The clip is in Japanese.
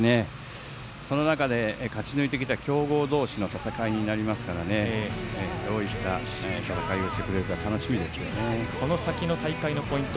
その中で勝ちついてきた強豪同士の戦いになりますからどういった試合をしてくれるかこの先の大会のポイント